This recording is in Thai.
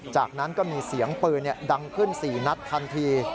จากนั้นก็มีเสียงปืนดังขึ้น๔นัดทันที